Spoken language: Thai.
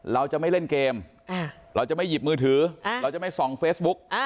เราจะไม่เล่นเกมเราจะไม่หยิบมือถือเราจะไม่ส่องเฟซบุ๊ก